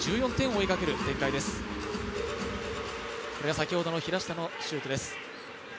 先ほどの平下のシュートです。